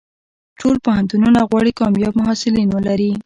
ټول پوهنتونونه غواړي کامیاب محصلین ولري.